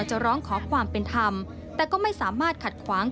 จะร้องขอความเป็นธรรมแต่ก็ไม่สามารถขัดขวาง